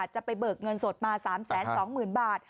ไปเบิกเงินสดมา๓๒๐๐๐บาท